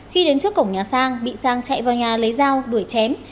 khi đến trước cổng nhà sang bị sang chạy vào nhà lấy dao đuổi chém